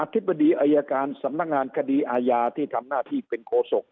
ธิบดีอายการสำนักงานคดีอาญาที่ทำหน้าที่เป็นโคศก